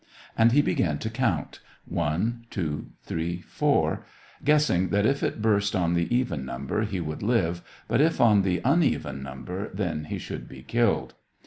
And he began to count, "One, two, three, four," guessing that if it burst on the even number, he would live, but if on the uneven number, then he should be killed.